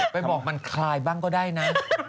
ไปบอกมันคลายบ้างก็ได้นะ